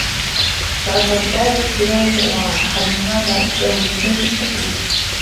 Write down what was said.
فَأَمَّا إفْضَالُ الِاصْطِنَاعِ فَنَوْعَانِ أَحَدُهُمَا مَا أَسَدَاهُ جُودًا فِي شَكُورٍ